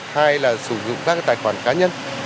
hai là sử dụng các tài khoản cá nhân